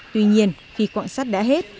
tuy nhiên khi quạng sắt đã hết